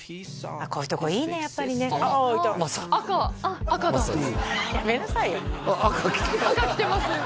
こういうとこいいねやっぱりね赤赤だやめなさいよ赤着てますよ